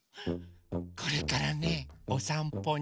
これからねおさんぽにいくの。